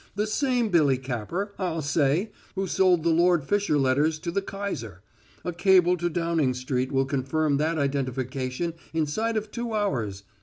The same Billy Capper, I'll say, who sold the Lord Fisher letters to the kaiser a cable to Downing Street will confirm that identification inside of two hours.